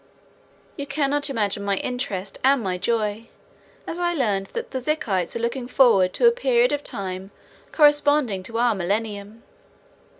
You cannot imagine my interest and my joy as I learned that the Zikites are looking forward to a period of time corresponding to our Millennium.